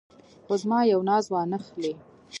خو زما یو ناز وانه خلې.